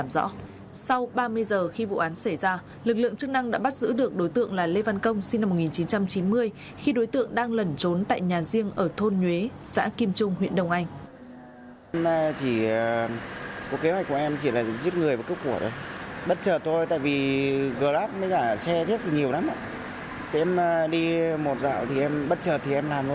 sau ba mươi giờ khi vụ án xảy ra lực lượng chức năng đã bắt giữ được đối tượng là lê văn công sinh năm một nghìn chín trăm chín mươi khi đối tượng đang lẩn trốn tại nhà riêng ở thôn nhuế xã kim trung huyện đồng anh